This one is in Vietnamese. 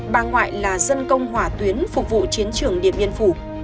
bà ngoại là dân công hỏa tuyến phục vụ chiến trường điện biên phủ